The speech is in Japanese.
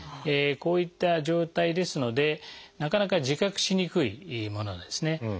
こういった状態ですのでなかなか自覚しにくいものなんですね。